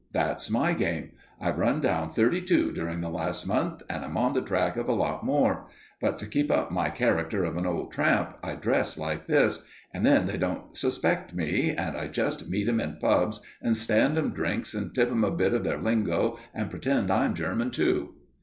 That's my game. I've run down thirty two during the last month, and I'm on the track of a lot more; but to keep up my character of an old tramp, I dress like this; and then they don't suspect me, and I just meet 'em in pubs and stand 'em drinks, and tip 'em a bit of their lingo and pretend I'm German, too."